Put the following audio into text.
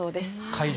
会場